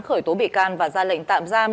khởi tố bị can và ra lệnh tạm giam